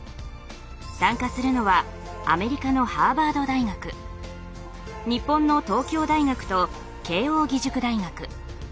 参加するのはアメリカのハーバード大学日本の東京大学と慶應義塾大学。